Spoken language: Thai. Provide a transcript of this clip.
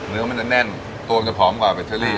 เนื้อมันจะแน่นตัวมันจะผอมกว่าเบเชอรี่